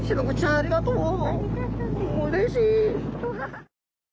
ありがとね。